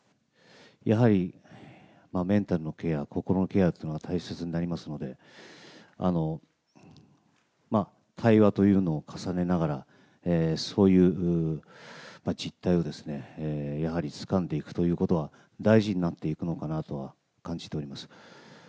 やはりメンタルのケア、心のケアというのが大切になりますので、対話というのを重ねながら、そういう実態をやはりつかんでいくということは大事になっていくのかなとは感じております。